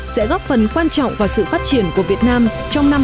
sẽ góp phần quan trọng vào sự phát triển của việt nam trong năm hai nghìn một mươi chín